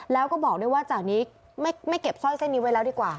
แล้วก็บอกด้วยว่าจากนี้ไม่เก็บสร้อยเส้นนี้ไว้แล้วดีกว่า